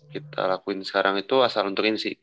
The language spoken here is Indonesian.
kita lakuin sekarang itu asal untukin sih